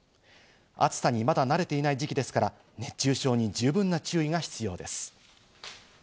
暑さにまだ慣れていない時期ですから、熱中症に十分な注意が必要です。